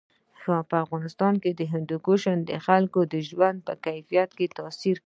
په افغانستان کې هندوکش د خلکو د ژوند په کیفیت تاثیر کوي.